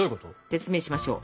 説明しましょう。